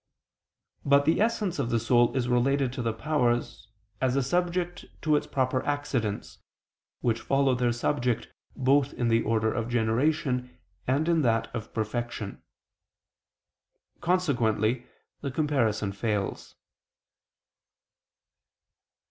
But the essence of the soul is related to the powers, as a subject to its proper accidents, which follow their subject both in the order of generation and in that of perfection. Consequently the comparison fails.